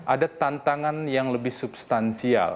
ada tantangan yang lebih substansial